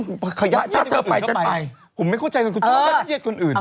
ผมไม่เข้าใจฉันคุณชอบเหี้ยฌคนอื่น